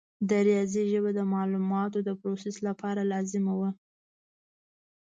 د ریاضي ژبه د معلوماتو د پروسس لپاره لازمه وه.